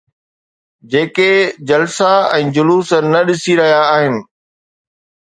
جيڪي جلسا ۽ جلوس نه ڏسي رهيا آهن؟